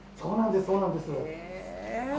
そうなんです。